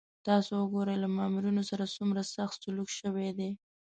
تاسو وګورئ له مامورینو سره څومره سخت سلوک شوی دی.